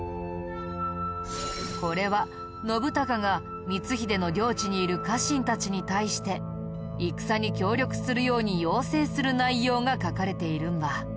これは信孝が光秀の領地にいる家臣たちに対して戦に協力するように要請する内容が書かれているんだ。